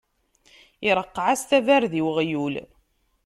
Iṛqeɛ-as tabarda i uɣyul.